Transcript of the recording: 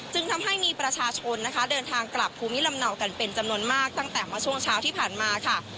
ทำให้มีประชาชนนะคะเดินทางกลับภูมิลำเนากันเป็นจำนวนมากตั้งแต่เมื่อช่วงเช้าที่ผ่านมาค่ะ